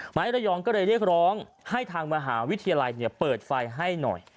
ระยองก็เลยเรียกร้องให้ทางมหาวิทยาลัยเปิดไฟให้หน่อย